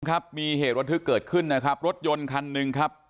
ครับมีเหตุระทึกเกิดขึ้นนะครับรถยนต์คันหนึ่งครับ